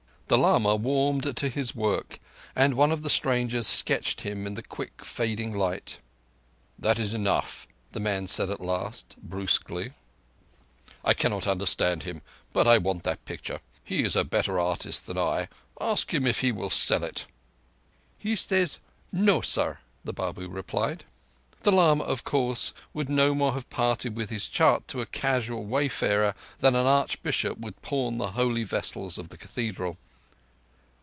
The lama warmed to his work, and one of the strangers sketched him in the quick fading light. "That is enough," the man said at last brusquely. "I cannot understand him, but I want that picture. He is a better artist than I. Ask him if he will sell it." "He says 'No, sar,'" the Babu replied. The lama, of course, would no more have parted with his chart to a casual wayfarer than an archbishop would pawn the holy vessels of his cathedral.